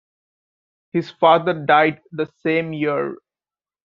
His father died the same year.